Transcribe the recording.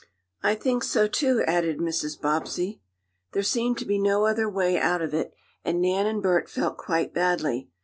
"I think so, too," added Mrs. Bobbsey. There seemed to be no other way out of it, and Nan and Bert felt quite badly.